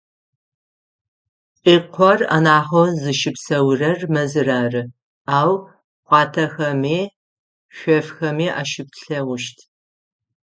Чӏыкъор анахьэу зыщыпсэурэр мэзыр ары, ау хъуатэхэми, шъофхэми ащыплъэгъущт.